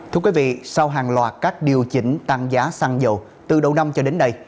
thưa quý vị sau hàng loạt các điều chỉnh tăng giá xăng dầu từ đầu năm cho đến đây